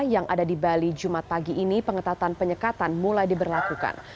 yang ada di bali jumat pagi ini pengetatan penyekatan mulai diberlakukan